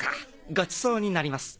ごちそうになります。